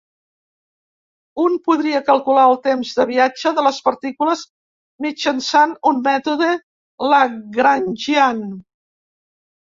Un podria calcular els temps de viatge de les partícules mitjançant un mètode Lagrangian.